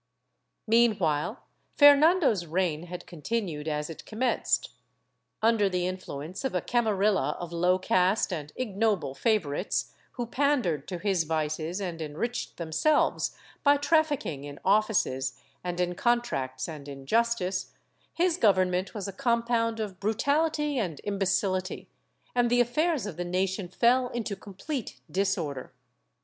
Meanwhile Fernando's reign had continued as it commenced. Under the influence of a camarilla of low caste and ignoble favor ites, who pandered to his vices and enriched themselves by trafficking in offices and in contracts and in justice, his government was a compound of brutality and imbecility, and the affairs of the nation fell into complete disorder.